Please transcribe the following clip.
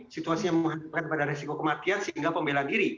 situasinya menghadapkan pada resiko kematian sehingga pembelaan diri